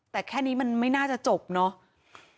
แต่แค่นี้มันไม่น่าจะจบเนาะ